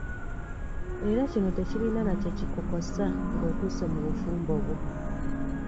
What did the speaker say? Era kino tekirina nakyekikukosa ng'otuuse mu bufumbo bwo.